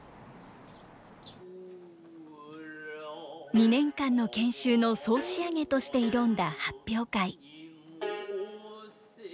２年間の研修の総仕上げとして挑んだ発表会。